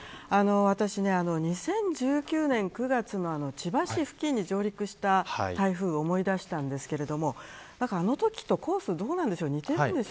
私、２０１９年９月の千葉市付近に上陸した台風を思い出したんですけれどもあのときとコースどうなんでしょう。